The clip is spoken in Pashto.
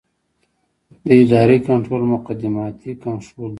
د ادارې کنټرول مقدماتي کنټرول دی.